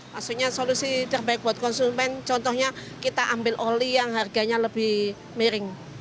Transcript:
maksudnya solusi terbaik buat konsumen contohnya kita ambil oli yang harganya lebih miring